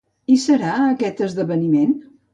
Hi serà a aquest esdeveniment?